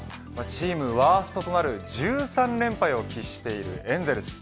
チームワーストとなる１３連敗を喫しているエンゼルス。